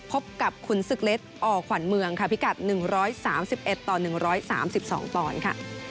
พบกับคุณซึกเลสอขวัญเมืองพิกัด๑๓๑ต่อ๑๓๒ปอนด์